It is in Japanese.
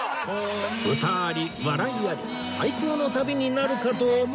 歌あり笑いあり最高の旅になるかと思いきや